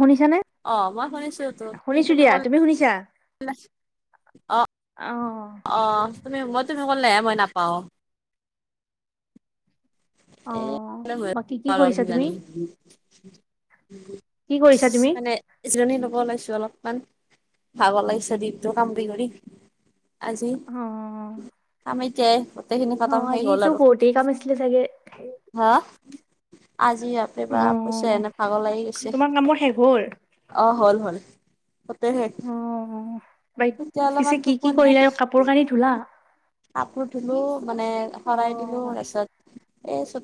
শুনিছানে? অ মই শুনিছো তো তুমি। শুনিছো দিয়া, তুমি শুনিছা? অঁ, অঁ তুমি মই তুমি সকল লহে মই নাপাওঁ। অ এই পথাৰৰ বাকী কি ফালে গৈছে কৰিছা তুমি? কিজানি কি কৰিছা তুমি? মানে যজনী ল'ব ওলাইছো অলপ। মান ভাগৰ লাগিছে দপটো কাম কি কৰি আজি অ। কাম এতিয়াই গোটেইখিনি অ খতম শেষ আজি হ'ল তো আৰু বহুতে কাম আছিললে চাগে? হা। আজি আপ অ বা পছে এনে ভাগৰ লাগি গৈছে, তোমাৰ কামবোৰ শেষ হ'ল? অ হল হল। কতেহে। অহ বাই তেওঁ পিছে অলপমান কি কি তটোপনি কৰিলা আৰু কাপোৰ কানি ধূলা? কাপোৰ ধুলো মানে শৰাই দিলো অহ তাৰপিছত। এ চু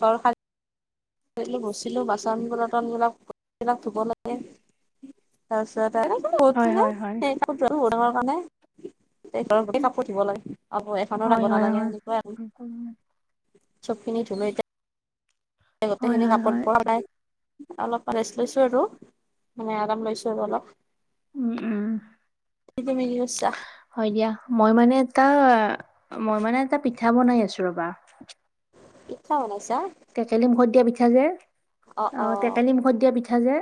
ঘৰ ব্ত ছিলো বাচন বল্তন বিলাকাক ধুব লাগে তাৰপিছত। ডাঙৰ হয় হয় হয়। কাৰণে কাক পঠিয়াব লাগে। আব এখনো ৰাব হয় হয় নালাগে হয়। সেনেকুৱাই আৰু চবখিনি ধুলো এতিয়া। হয় গোটেইখিনি হয় কাপোৰ হয়। পোৱা নাই। অলপ ৰেষ্ট লৈছো আৰু মানে আৰাম লৈছো আৰু অলপ। উম, উম তুমি কি কৰিছা হয় দিয়া মই মানে। এটা মই মানে এটা পিঠা বনাই আছো ৰবা ই্ছা ম নাইছা। টেকেলি মুখত দিয়া পিঠা যে অ টেকেলি মুখত দিয়া পিঠা যে।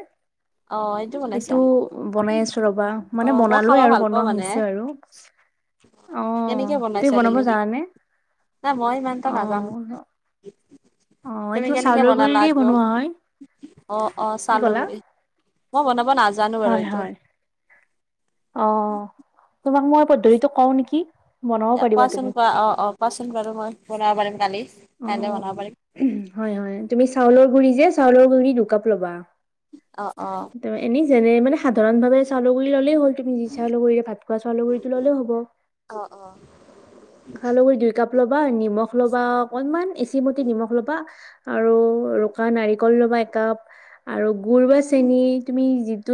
অ বনাইছা এইটো বনাই আছো ৰবা। অ মানে মই বনালো খাব আৰু ভাল পাওঁ বনোৱা মানে হৈছে আৰু। আহ কেনেকে তই বনাইছা বনাব তুমি যানে নাই মই ইমান এটা নাজানো আহ। তুমি কেনেকে বনালা আ তৌ। বনোৱা হয় অ অ কি ক'লা চাহলগুৰি মই বনাব নাজানো হয় বাৰু এইটো। হয় অ তোমাক মই পদ্ধতিটো কওঁ নেকি বনাব পাৰিবা তুমি পচন্দ কৰা অ অ পচন্দ পাৰো মই বনাব পাৰিম কালি অ কাইলৈ বনাব পাৰিম হয় হয় তুমি চাউলৰ গুৰি যে চাউলৰ গুৰি অ অ এনে যেনে মানে সাধাৰণ ভাৱে চাউল গুৰি ল'লেই হ'ল তুমি যি চাউল কৰিলে ভাত খোৱা চাউলৰগুৰিটো ল'লে হ'ব অ', অ', চাউলৰগুৰি দুই কাপ ল'বা নিমখ লবা অকনমান এচিমুতি নিমখ ল'বা, আৰু ৰুকা নাৰিকল ল'বা একাপ আৰু গুৰ বা চেনি তুমি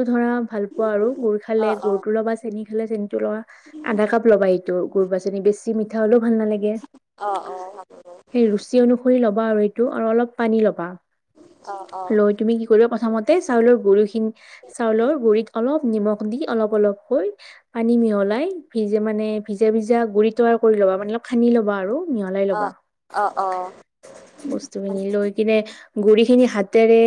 ধৰা ভাল পোৱা আৰু গুৰ খালে অ', গুৰ অ', টো ল'বা চেনি খালে চেনি টো লবা আধা কাপ লবা এ গুৰ বা চেনি বেছি মিঠা অলপ ভাল নালাগে অ', অ', সেই ৰুচি অনুসৰি ল'বা আৰু এইটো আৰু অলপ পানী ল'বা অ', অ', লৈ তুমি কি কৰিবা প্ৰথমত তে চাউলৰ গুৰি খিনি চাউলৰ গুৰিত অলপ নিমখ দি অলপ অলপকৈ পানী মিহলি মানে ভিজা ভিজা গুৰিটো কৰি ল'বা মানে সানি ল'বা আৰু মিহলাই ল'বা অ', অ অ বস্তুখিনি লৈ কিনে গুৰি খিনি হাতেৰে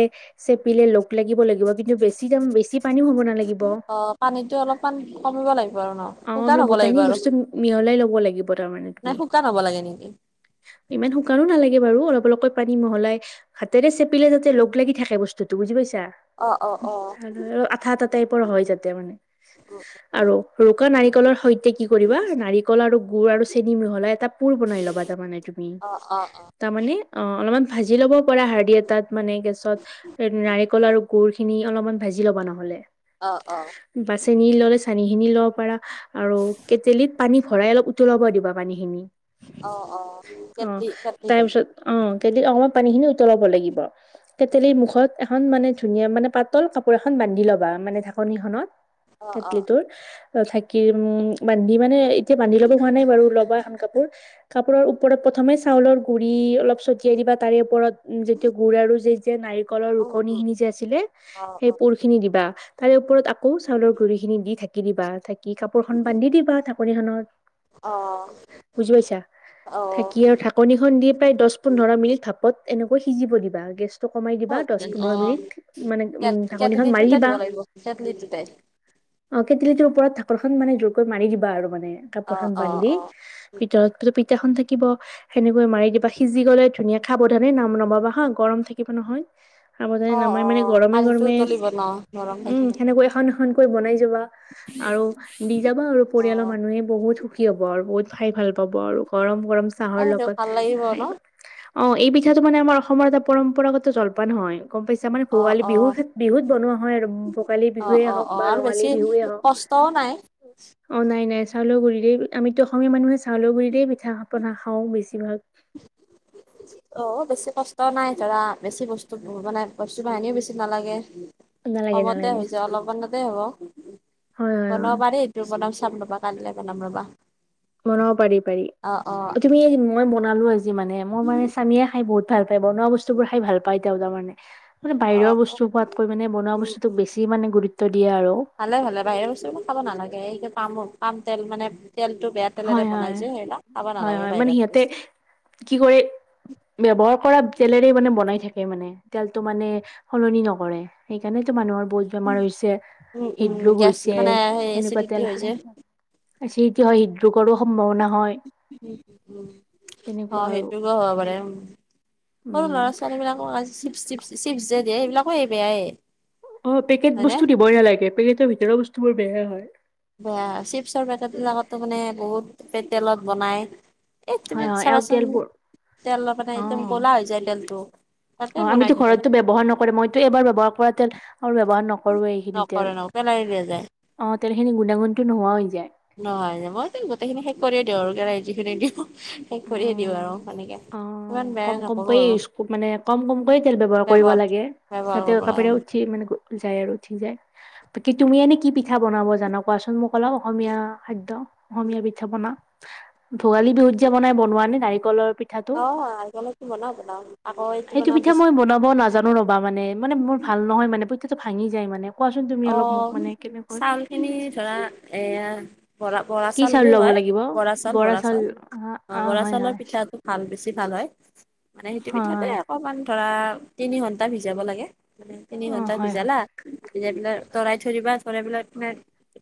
চেপিলে লাগিব লাগিব কিন্তু বেছি দাম বেছি পানীও হ'ব নালাগিব অ পানীটো অলপমান কমিব লাগিব আৰু ন আমাৰ শুকান হ'ব লাগিব গোটাহিনী আৰু বস্তু মিহলাই ল'ব থব লাগিব তাৰমানে নাই তুমি শুকান হ'ব লাগে নেকি ইমান শুকানো নালাগে। লব লাগে বাৰু অলপ অলপকৈ পানী মহলাই হাতেৰে চেপিলে যাতে লগ লাগি থাকে বস্তুটো বুজি পাইছে? অ', অ', অ', চাউলৰ আঠা আঠা টাইপৰ হয় যাতে মানে, আৰু ৰুকা নাৰিকলৰ সৈতে কি কৰিবা নাৰিক গুৰ আৰু চেনি মিহলাই এটা পুৰ বনাই লবা তাৰমানে তুমি অ', অ', অ', তামানে ভাজি ল'ব পৰা সাৰ দি এটাত মানে গেছত এ নাৰিকল আৰু গুৰ খিনি, অলপমান ভাজি ল'বা নহ'লে অ অ চেনী ললে চেনী খিনি লব পাৰা আৰু কেটলিত পানী ভৰাই অলপ উতলাব দিবা পানীখিনি অ', অ', অ কেটলি কেটলিটোত তাৰপিছত অ কেটলিত অকমান পানী খিনি উতলাব লাগিব কেটেলিৰ মুখত এখন মানে ধুনীয়া মানে পাতল কাপোৰ এখন বান্ধি ল'বা মানে ঢাকনিখনত অ', কেটলি অ', তোৰ ধাকি উম বান্ধি মানে এয়া বান্ধি লব হোৱা নাই বাৰু ল'বা এখন কাপোৰ কাপোৰৰ ওপৰত প্ৰথমে চাউলৰ গুৰি অলপ ছটিয়াই দি বা তাৰে ওপৰত যেতিয়া গুৰ আৰু যে নাৰিকলৰ উম, ৰুকনি উম, খিনি যে আছিলে অ', সেই অ', গুৰ খিনি দিবা। তাৰে ওপৰত আকৌ চাউলৰ গুৰিখিনি দি ঢাকি দিবা থাকি কাপোৰখন বান্ধি দিবা ঢাকনিখনত অ বুজি পাইছা অ', অ', ধাকি আৰু ঢাকনিখন দি প্ৰায় দহ পোন্ধৰ মিনিট ভাপত এনেকৈ সিজিব দিবা গেছ টো কমাই দিবা দহ পোন্ধৰ মিনিট মানে কে উম ঢাকনিখন মাৰি কেটলিটোতে দিবা দিব লাগিব কেটলিটোতে অ কেতিলিটোৰ ওপৰত ধাক কাপোৰখন মানে জোৰ কৰি মাৰি দিবা আৰু মানে কাপোৰখন অ', অ', অ', বান্ধি অ', ভিতৰত ভিতৰ খন ধাকি- থাকিব সেনেকৈ মাৰি দিবা সিজি গলে ধুনীয়া সাৱধানে নাম নমাবা হা গৰম থাকিব নহয়, সাৱধানে নামাই মানে অ', গৰমে পানীটো গৰমে উতলিব ন নৰম উম থাকিব সেনেকৈ এখন এখন বনাই যাবা আৰু দি যাবা আৰু পৰিয়ালৰ অ', মানুহে বহুত সুখী হ'ব আৰু বহুত খাই ভাল পাব আৰু গৰম গৰম চাহৰ তাকেটো লগত ভাল লাগিব খাই ন অ এই পিঠাটো মানে আমাৰ অসমৰ এটা পৰম্পৰাগত জলপান হয় গম পাইছা মানে অ', ভোগালী অ', বিহুৰ খেত বিহুত বনোৱা হয় ভোগালী অ বিহুৱে অ হওক বা আৰু ৰঙালী বেছি বিহুৱে হওক অ কষ্টও নাই অ নাই নাই চাউলৰ গুৰিৰে আমিতো অসমীয়া মানুহে চাউলৰ গুৰিৰেই পিঠা পনা খাওঁ বেছিভাগ অ বেছি কষ্ট নাই দৰা বেছি বস্তু বানে বস্তু বাহানিও বেছি নালাগে নালাগে কমতে নালাগে। হৈছে অলপমানতে হব হয় হয় বনাব হয় পাৰি এইটো বনাম চাম ৰ'বা কাইলৈ বনাম ৰ'বা বনাব পাৰি পাৰি অ অ তুমি মই বনালো আজি মানে মোৰ মানে স্বামীয়ে খাই বহুত ভাল পাই বনোৱা বস্তু বোৰ খাই ভাল পায় তেওঁ তাৰ মানে, মানে অ বাহিৰৰ অ বস্তু খোৱাতকৈ মানে বনোৱা উম বস্তুক বেছি মানে গুৰুত্ব দিয়ে আৰু। ভালে ভালে বাহিৰৰ বস্তু একো খাব নালাগে এই পামো পাম তেল মানে তেল, হয় হয়। হয় হয় মানে সিহঁতে কি কৰি ব্যৱহাৰ কৰা তেলেৰে মানে বনাই থাকে মানে তেলটো মানে সলনি নকৰে সেইকাৰণে টো মানুহৰ, বহুত বেমাৰ হৈছে উম উম হৃদৰোগ গেছ হৈছে মানে সেই এনেকুৱা এচিডিটি তেল হৈ খাই যে আচিটো হয় হৃদৰোগৰো সম্ভাৱনা হয় অ তেনেকুৱা আৰু সেইটো কে হ'ব পাৰে উ সৰু উম। ল'ৰা ছোৱালী বিলাকক চিপ চিপ চিপ যে দিয়ে এইবিলাকো বেয়াই অ পেকেট হয়নে বস্তু দিবই নালাগে পেকেটৰ ভিতৰত বস্তু বোৰ বেয়াই হয় বেয়া চিপছৰ পেকেটবিলাকতো মানে বহুত পে তেলত বনায় এই হয় তুমি হয় আৰু চাবাচোন তেলবোৰ তেল মানে অ একদম কলা হৈ যায় তেলটো তাতে অ বনাই আমিতো থাকে ঘৰতো ব্যৱহাৰ নকৰে মইতো এবাৰ ব্যৱহাৰ কৰা তেল আৰু ব্যৱহাৰ নক নকৰে নকৰে পেলাই দিয়া যায় অ তেলখিনি গুণাগুণটো নোহোৱা হৈ যায় নহয় যে মই গোটেইখিনি শেষ কৰিয়ে দিওঁ আৰু কেৰা যিখি দ [unintelligible] অ অ ইমান বেয়া কম কম নকৰো কৈ আৰু মানে কম কম কৈ তেল ব্যৱহাৰ কৰিব লাগে ব্যৱহাৰ যাতে কৰিব কাপেৰে লাগে উঠি মানে যাই আৰু ঠিক যায় বাক তুমি এনে কি পিঠা বনাব জানা কোৱাচোন মোক অলপ অসমীয়া খাদ্য অসমীয়া পিঠা পনা ভোগালী বিহুত যে বনাই বনোৱা নে নাৰিকলৰ পিঠাটো অ নাৰিকলৰ কি বনাও বনাও আকৌ এইটো সেইটো বনাও পিঠা বিচ মই বনাব নাজানো ৰ'বা মানে মানে মোৰ ভাল নহয় মানে পিঠাটো ভাঙি যায় মানে, কোৱাচোন তুমি অ অলপ মোক মানে কেনেকৈ চাউলখিনি ধৰা এয়া বৰা বৰা কি চাউল বুলি ল'ব কয় লাগিব? বৰা চাউল বৰা চাউল অ বৰা হয় চাউলৰ হয় পিঠাটো ভাল পিছে ভাল হয় মানে সেইটো পিঠাতে হয় অকমান ধৰা তিনি ঘন্টা ভিজাব লাগে মানে তিনি অ ঘন্টা হয় হয় ভিজালা ভিজাই পেলাই তৰাই থৈ দিবা তৰাই পেলাই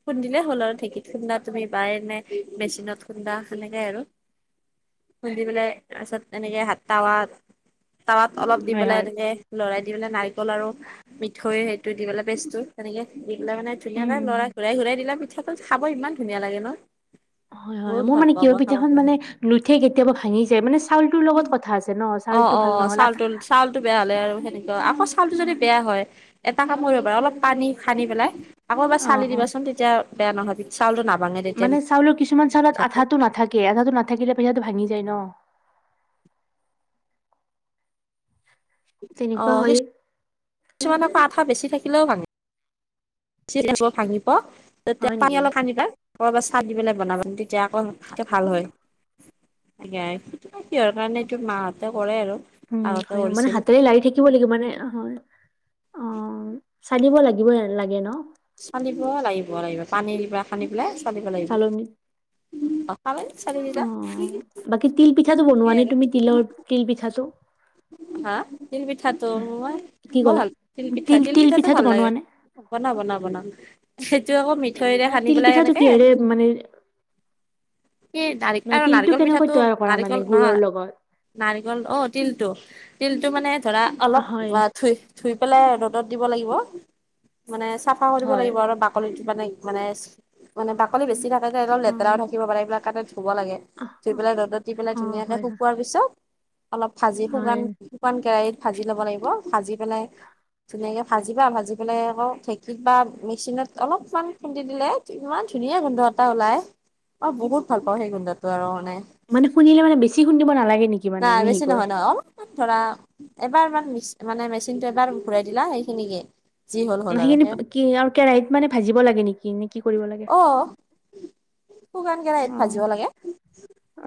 খুন্দিলে হ'ল আৰু ঢেঁকীত খুন্দা তুমি বাই এনে মেচিনত খুন্দা সেনেকে আৰু খুন্দি পেলাই তাৰপাছত এনেকে তাৱাত, তাৱাত অলপ দি হয় পেলাই হয় এনেকে লৰাই দি পেলাই নাৰিকল আৰু মিঠৈ সেইটো দি পেলাই পেছটু তেনেকে দি পেলাই মানে উম ধুনীয়াকে লৰাই ঘূৰাই ঘূৰাই দিলে পিঠা খাব ইমান ধুনীয়া লাগে ন, হয় হয় বহুত মোৰ ভাল মানে পাব কিহৰ খাব পিঠাখন মানে নুঠে কেতিয়াবা ভাঙি যায় মানে চাউলটোৰ লগত কথা আছে ন অ চাউলটো অ ভাল নহ'ল আঠা চাউটো চাউলটো বেয়া হলে আৰু সেনেকুৱা আকৌ চাউলটো যদি বেয়া হয় এটা কাম কৰিব পাৰা অলপ পানী সানি পেলাই আকৌ এবাৰ অ চালি হয় দিবাচোন তেতিয়া বেয়া নহয় চাউলটো ন মানে চাউলৰ কিছুমান চাউলত আঠাটো নাথাকে আঠাটো নাথাকিলে পিঠাটো ভাঙি যায় ন অ তেনেকুৱা কি হয় কিছুমান পৰা আঠা বেছি থাকিলেও ভাঙে চিৰিব ভাঙি প তেতিয়া হয় পাৰি নেকি? অলপ সানিবা কৰবাত চাহ দি পেলাই বনাবা তেতিয়া আকৌ ভাল হয় কিহৰ কাৰণে এইটো মাহঁতে কৰে আৰু উম আগতে হয় মানে কৰিছিল হাতেৰে লাৰি থাকিব লাগিব মানে হয় অ চালিব লাগিব লাগ চলিব লাগিব লাগিব পানী সানদি পেলাই চলিব লাগিব চালনীত [unintelligible] অ চালি অ দিলা বাকী তিল পিঠাটো বনোৱা নে তুমি তিলৰ তিল পিঠাটো হা তিল পিঠাটো মই কি বৰ ক'লা ভাল তিলপিঠা তিল তিল তিলপিঠাটো পিঠাটো ভাল লাগে বনোৱা নে বনা বনা বনা সেইটো আকৌ মিঠৈৰে মানে সান্দি তিল পেলাই পিঠাটো এনেকে কিহেৰে মানে এই নাৰ ন আৰু তিলটো নাৰিকল কেনেকৈ পিঠাটো তৈয়াৰ কৰা মানে নাৰিকল গুৰৰ নহয় লগত নাৰিকল অ তিলটো তিলটো মানে ধৰা অলপ হয় ধুই - ধুই পেলাই ৰ'দত দি ধুব লাগিব মানে চাফা কৰিব হয় লাগিব আৰু বাকলি মানে -মানে -মানে বাকলি বেছি থাকে যে অলপ অ লেতেৰাও থাকিব পাৰে এইবিলাক ধোব লাগে অ ধুই অ পেলাই ৰ'দত দি পেলাই অ', ধুনীয়াকে হয় হয় শুকোৱাৰ পিছত অলপ ভাজি হয়। শুকান -শুকান কেৰাহিত ভাজি ল'ব লাগিব ভাজি পেলাই ধুনীয়াকে ভাজিবা ভাজি পেলাই আকৌ ঢেঁকীত বা মেচিনত অলপমান খুন্দি দিলে ইমান ধুনীয়া গোন্ধ এটা ওলায়, অহ বহুত ভাল পাওঁ সেই গোন্ধটো আৰু মই। মানে খুন্দিলে বেছি খুন্দিব নালাগে নেকি মানে নাই মিহি বেছি নহয় ন' অও ধৰা, এবাৰ ইমান মানে মেচিনটো এবাৰ ঘূৰাই দিলা সেইখিনিকে। যি হ'ল হ'ল আৰু সেইখিনি সেই কি আৰু কেৰাহিত মানে ভাজিব লাগে নেকি নে, কি কৰিব লাগে? [inaudible] অ শুকান কেৰাহীত অ ভাজিব লাগে।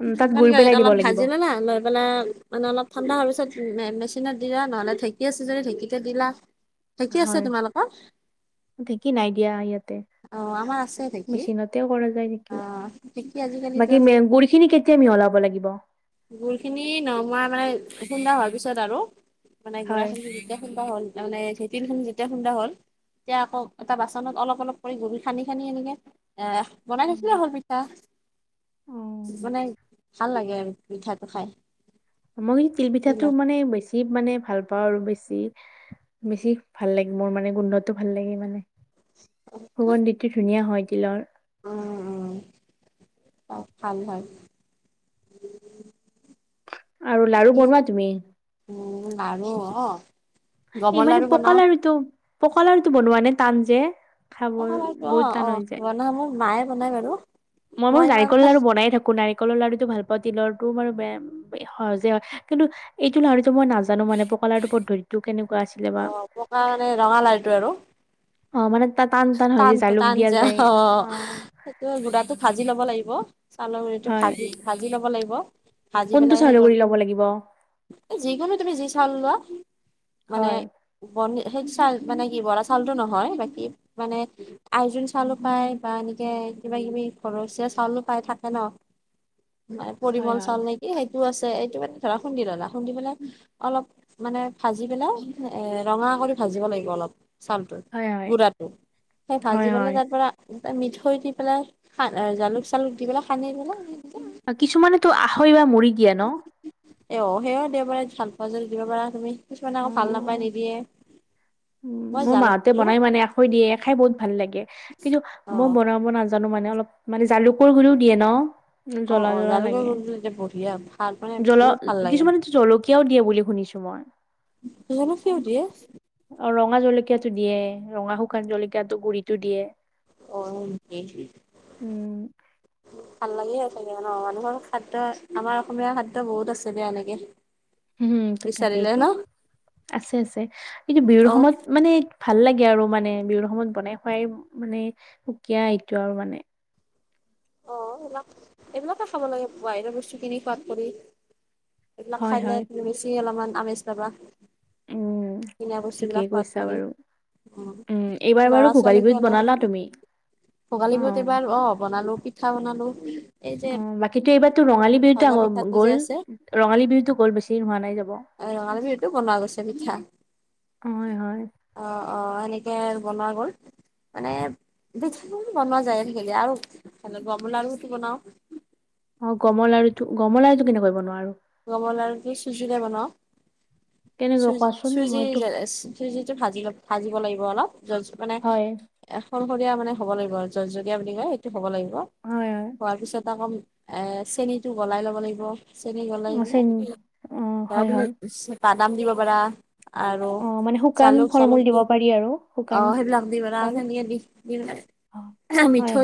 উম, তাত গুৰ পেলাই কেৰাহীত দিব অলপ লাগিব ভাজি ল'লা লৈ পেলাই মানে অলপ ঠাণ্ডা হোৱা পিছত মেচিনত দিলা নহ'লে ঢেঁকী আছে যদি ঢেঁকীতে দিলা। ঢেঁকী আছে তোমালোকৰ? ঢ়েঁকী নাই দিয়া ইয়াতে। অ' আমাৰ আছে ঢেঁকী। মেচিনতেও কৰা যায় নেকি অ' ঢেঁকী আজিকালিতো বাকী আৰু মেম গুৰি খিনি কেতিয়া মিহলাম? যাব লাগিব। গুৰ খিনি নমা। মানে খুন্দা হোৱাৰ পিছত আৰু মানে গুড়া হয় খিনি যেতিয়া খুন্দা হ'ল। তাৰ মানে ঢেঁকীৰ [unintelligible] যেতিয়া খুন্দা হ'ল। এতিয়া আকৌ এটা বাচনত অলপ- অলপ কৰি গুৰি খানি -খানি আনিকে। এ' বনাই ৰাখিলে হল পিঠা অ মানে ভাল লাগে আৰু পিঠাটো খাই। মই তিল পিঠাটো বুজিলা। মানে বেছি মানে ভাল পাওঁ আৰু বেছি। বেছি ভাল লাগে মোৰ মানে গোন্ধটো ভাল লাগে মানে। সুগন্ধিটো ধুনীয়া হয় তিলৰ। অহ - অহ চব ভাল হয়। আৰু লাৰু বাকী বনোৱা তুমি? উম, লাৰু অহ। এই মানে পকা লাাৰুটো পকা লাাৰুটো বনোৱা নে টান যে? খাব অহ বহুত -অহ- টান অহ হৈ যায় বনায় মোৰ মায়ে বনাই বাৰু। মই মোৰ ইমান নাৰিকল এটা লাৰু বনাই থাকো নাৰিকৰ লাৰুটো পাওঁ তিলৰ [unintelligible] সহজে হয় কিন্তু এইটো লাৰুটো মই নাজানো মানে পকা লাৰু পদ্ধতিটো কেনেকুৱা আছিলে বা অহ, পকা মানে ৰঙা লাৰুটো আৰু। অহ মানে তা টান টান হয় যে টানতো জালুক টান দিয়া যো যায় অহ অ সেইটো গুড়াটো ভাজ ভাজি লব লাগিব চাউলৰ গুৰিটো হয় ভাজি ভাজি লব লাগিব। ভাজি কোনটো পেলাই সেই চাউলৰ কৰি গুৰি ল'ব লাগিব? যিকোনো তুমি যি চাউল লোৱা মানে হয় বৰ্ণি সেইটোত চাল মানে কি বৰা চাওলটো নহয় বাকী মানে আইজুং চাউলো পায় বা এনেকে কিবা- কিবি ঘৰচীয়া চাউলো পায় থাকে ন'। [inaudible] মানে হয় পৰিমল হয় চাউল নেকি সেই টো আছে এইটো মানে ধৰা খুন্দি ল'লা খুন্দি পেলাই অলপ মানে ভাজি পেলাই এ' ৰঙা কৰি ভাজিব লাগিব অলপ চাউলটো হয় হয় গুড়াটো সেই ভাজি হয় পেলাই হয় তাৰ পৰা এ 'মিঠৈ দি পেলাই জালুক -চালুক দি পেলাই সানি পেলা কিছুমানে তো আখৈ বা মুৰি দিয়ে ন'? এ'অ সেয়া দেওবাৰে ভাল পোৱা যদি দিব পাৰা তুমি। কিছুমানে অ আকৌ ভাল নাপাই নিদিয়ে, মই জালুক দিও কৈ দিয়ে খাই বহুত ভাল লাগে আহ্ কিন্তু আ অ মই বনাব নাজা জানো মানে অলপ মানে জালুকৰ গুৰিও দিয়ে ন অ জ্বলা অ জ্বলা জালুকৰ লাগে। গুৰি দিলে বঢ়িয়া ভাল মানে জলল বহুত ভাল লাগে কিছুমানে তো জলকীয়াও দিয়ে বুলি শুনিছো মই য়নো ফিও দিয়াছ আৰু ৰঙা জলকীয়াতটো দিয়ে, ৰঙা শুকান জলকীয়াতটো গুৰিটো দিয়ে। অ সেনেকেই উম ভাল লাগিয়েই থাকে আমাৰ মানুহৰ খাদ্য আমাৰ অসমীয়া খাদ্য বহুত আছে দিয়া এনেকে হু হু হুম, ত বিচাৰিলে তাকেইতটো ন আছে আছে কিন্তু বিহুৰ অ সমত মানে ভাল লাগে আৰু মানে বিহুৰ সময়ত বনাই খোৱাই মানে সুকীয়া এইটো আৰু মানে অ অ, এইবিলাক এইবিলাকে খাব লাগে বাহিৰৰ বস্তু কিনি খোৱাত কৰি। এইবিলাক হয় খাইলে হয় তু বেছি অলপমান আমেজ পাবা। উম উ উ, কিনা বস্তুবিলাক ঠিকেই খোৱাত কৈছা কৰি বাৰু উম, এইবাৰ ল'ৰা বাৰু ভোগালী ছোৱালীকো বিহুত এনে বনালা তুমি অ ভোগালী বিহুত এইবাৰ অ বনালো পিঠা বনালো এই যে বাকীটো এইবাৰতো ৰঙালী বিহুত ভজা আকৌ পিঠাটো যে গ'ল আছে ৰঙালী বিহুতো গ'ল বেছি দিন হোৱা নাই যাব। এই ৰঙালী বিহুতো বনোৱা গৈছে পিঠা। হয় হয় অ অ, সেনেক ঢেৰ বনোৱা গ'ল মানে পিঠা কিন্তু বনোৱা আজিকালি আৰু এইফালে গম লাড়ুটো বনাও। অ, গমৰ লাড়ুটো গমৰ লাড়ুটো কিন্তু কৰিব নোৱাৰো। গমৰ লাড়ুটো চুজিৰে বনাও। কেনেকৈ চুজ কোৱাচোন চুজি মইতো যে চুজি যে ভাজি ভাজিব লাগিব অলপ জলজ মানে হয় এক সৰশৰীয়া মানে হ'ব লাগিব জলজীয়া বুলি কয় এইটো হব লাগিব হয় হয় হোৱাৰ পিছত আকৌ এ চেনিটো গলাই লব লাগিব চেন চেনি গলাই আছে কিনে নি? ইলা, অ হয় হয় তাৰপিছত পিছে বাদাম দিব পাৰা আৰু অ মানে শুকান ফল জালুক-চালুক মূল দিব দিয়ে পাৰি আৰু শুকান অহ সেইবিলাক দি পেলাই ফল অ, অহ্ আ হয় মিঠৈ হয়